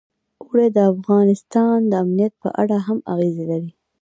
اوړي د افغانستان د امنیت په اړه هم اغېز لري.